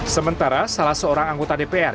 sementara salah seorang anggota dpr